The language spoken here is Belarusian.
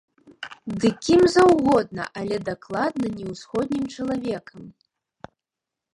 Ды кім заўгодна, але дакладна не ўсходнім чалавекам.